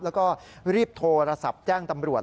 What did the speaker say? แล้วก็รีบโทรศัพท์แจ้งตำรวจ